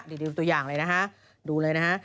ดูตัวอย่างเลยนะฮะดูเลยนะฮะ